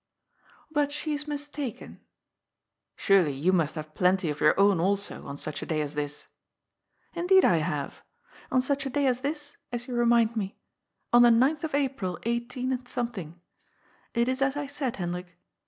^But she is mistaken." Surely you must have plenty of your own also, on such a day as this." '^ Indeed I have. On such a day as this, as you remind me. On the ninth of April, 18 —. It is as I said, Hendrik.